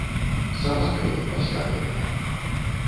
Сабака ён пасля гэтага.